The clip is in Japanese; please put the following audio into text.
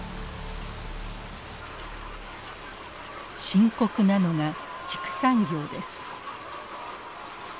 深刻なのが畜産業です。